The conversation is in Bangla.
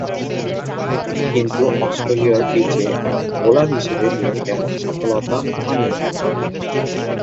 কিন্তু অস্ট্রেলীয় পিচে বোলার হিসেবে তিনি তেমন সফলতা পাননি।